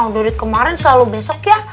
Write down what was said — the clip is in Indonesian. duit kemarin selalu besok ya